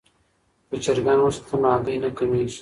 که چرګان وساتو نو هګۍ نه کمیږي.